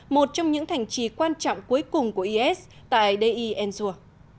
một trong những thành trì quan trọng cuối cùng của is tại dei ensua